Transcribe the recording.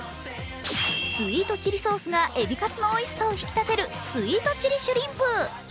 スイートチリソースがえびカツのおいしさを引き立てる、スイートチリシュリンプ。